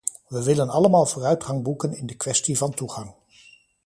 We willen allemaal vooruitgang boeken in de kwestie van toegang.